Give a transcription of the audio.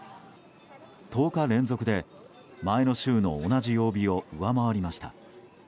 １０日連続で前の週の同じ曜日を上回りました。